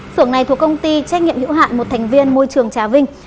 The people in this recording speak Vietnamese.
sưởng này thuộc công ty trách nhiệm hữu hạn một thành viên môi trường trà vinh